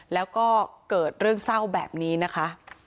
แล้วก็เกิดเรื่องเศร้าแบบนี้นะคะ